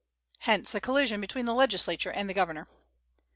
Hence a collision between the legislature and the governor.